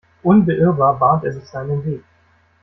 Unbeirrbar bahnt er sich seinen Weg.